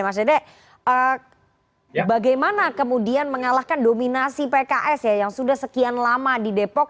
mas dede bagaimana kemudian mengalahkan dominasi pks ya yang sudah sekian lama di depok